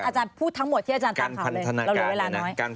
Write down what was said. อาจารย์พูดทั้งหมดที่อาจารย์ตามข่าวเลย